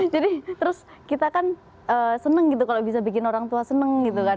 jadi terus kita kan seneng gitu kalau bisa bikin orang tua seneng gitu kan